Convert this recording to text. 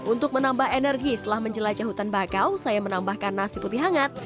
untuk menambah energi setelah menjelajah hutan bakau saya menambahkan nasi putih hangat